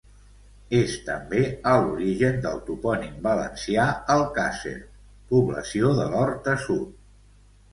És també a l'origen del topònim valencià Alcàsser, població de l'Horta Sud.